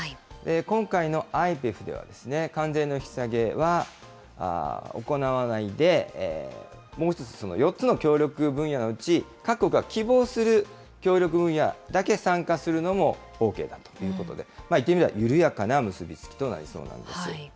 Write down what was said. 今回のＩＰＥＦでは、関税の引き下げは行わないで、もう１つ、４つの協力分野のうち、各国が希望する協力分野だけ参加するのもＯＫだということで、いってみれば、緩やかな結び付きとなりそうなんです。